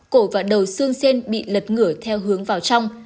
cổ và đầu xương sen bị lật ngửa theo hướng vào trong